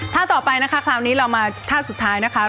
ต่อไปนะคะคราวนี้เรามาท่าสุดท้ายนะคะ